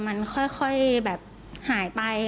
มันค่อยแบบหายไป